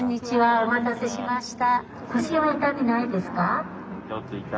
お待たせしました。